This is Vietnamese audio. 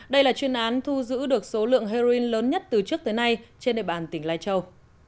đây là chuyên án thu giữ được số lượng heroin lớn nhất từ trước tới nay trên địa bàn tỉnh lai châu